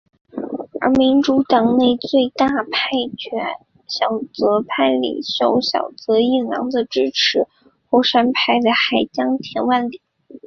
而民主党内最大派阀小泽派领袖小泽一郎则支持鸠山派的海江田万里。